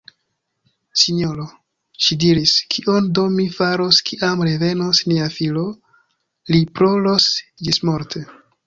Sinjoro! ŝi diris, kion do mi faros, kiam revenos nia filo? Li ploros ĝismorte.